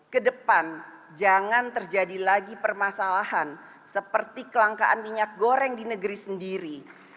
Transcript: kedepan jangan terjadi lagi permasalahan seperti kelangkaan minyak goreng di negeri sendiri